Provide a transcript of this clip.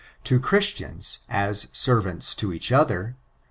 To Christians, as servants to each other.